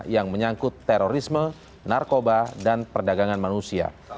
yang menyangkut terorisme narkoba dan perdagangan manusia